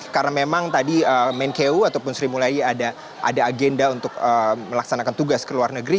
karena memang tadi menko ataupun sri mulyani ada agenda untuk melaksanakan tugas ke luar negeri